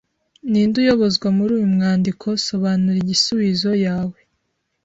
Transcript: Ni nde uyobozwa muri uyu mwandiko Sobanura igisuizo yawe